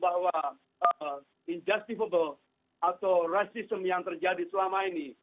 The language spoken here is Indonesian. kami menyuarakan bahwa injustifable atau rasisme yang terjadi selama ini